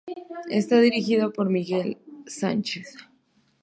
Está dirigido por Miguel Sánchez.